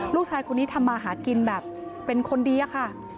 ลูกชายคนนี้ทำมาหากินแบบเป็นคนดีอะค่ะ